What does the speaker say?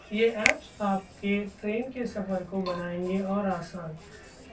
ये एप्स आपके ट्रेन के सफर को बनाएंगे और आसान